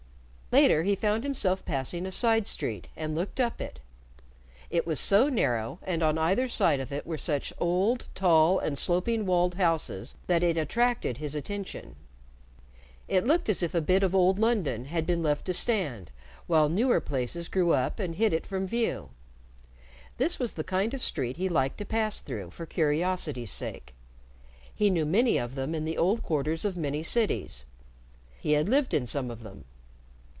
Later he found himself passing a side street and looked up it. It was so narrow, and on either side of it were such old, tall, and sloping walled houses that it attracted his attention. It looked as if a bit of old London had been left to stand while newer places grew up and hid it from view. This was the kind of street he liked to pass through for curiosity's sake. He knew many of them in the old quarters of many cities. He had lived in some of them.